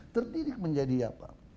terdidik menjadi apa